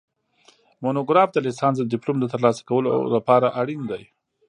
مونوګراف د لیسانس د ډیپلوم د ترلاسه کولو لپاره اړین دی